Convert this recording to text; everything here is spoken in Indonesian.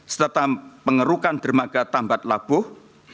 serta pengerukan dermaga tambat labuh